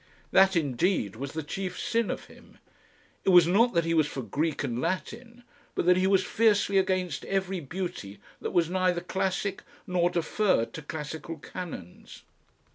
That indeed was the chief sin of him. It was not that he was for Greek and Latin, but that he was fiercely against every beauty that was neither classic nor deferred to classical canons.